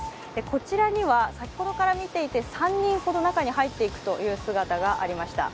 こちらには、先ほどから見ていて３人ほど中に入っていくという姿がありました。